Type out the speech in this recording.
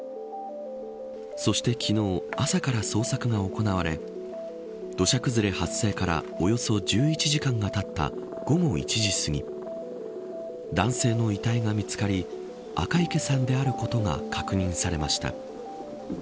そして昨日、朝から捜索が行われ土砂崩れ発生からおよそ１１時間がたった午後１時すぎ男性の遺体が見つかり赤池さんであることが確認されました。